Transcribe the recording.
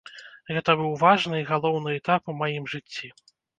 Гэта быў важны і галоўны этап у маім жыцці.